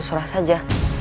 satu surah saja